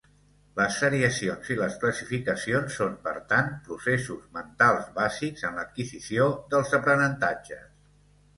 Les seriacions i les classificacions són per tant processos mentals bàsics en l’adquisició dels aprenentatges.